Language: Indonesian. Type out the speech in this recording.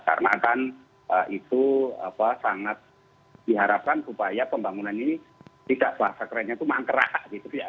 karena kan itu sangat diharapkan supaya pembangunan ini tidak selasa kerennya itu mangkrak gitu ya